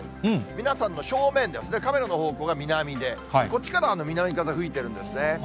皆さんの正面ですね、カメラのほうが南で、こっちから南風吹いてるんですね。